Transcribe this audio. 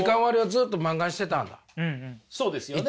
そうですよね。